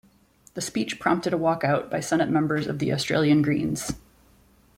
The speech prompted a walk out by Senate members of the Australian Greens.